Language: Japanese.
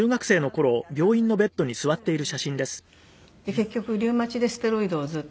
結局リウマチでステロイドをずっと。